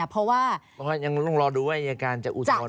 เพราะว่ายังต้องรอดูว่าอายการจะอุทธรณ์